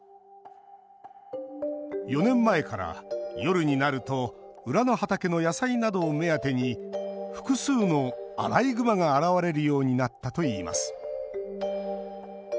４年前から、夜になると裏の畑の野菜などを目当てに複数のアライグマが現れるようになったといいます。